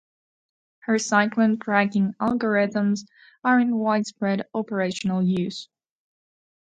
Her cyclone tracking algorithms are in widespread operational use.